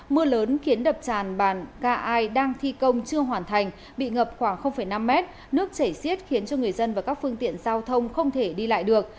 mưa lớn khiến đập tràn bản ca ai đang thi công chưa hoàn thành bị ngập khoảng năm mét nước chảy xiết khiến cho người dân và các phương tiện giao thông không thể đi lại được